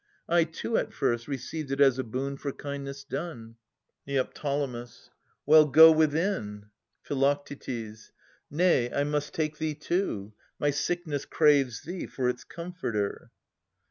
I, too, at first, Received it as a boon for kindness done. Neo. Well, go within. Phi. Nay, I must take thee too. My sickness craves thee for its comforter.